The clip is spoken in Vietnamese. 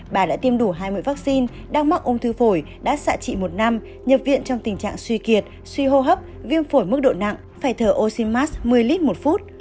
bà đã tiêm đủ hai mươi vaccine đang mắc ung thư phổi đã xạ trị một năm nhập viện trong tình trạng suy kiệt suy hô hấp viêm phổi mức độ nặng phải thở oxymars một mươi lít một phút